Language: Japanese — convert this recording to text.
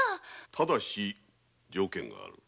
ただし条件がある。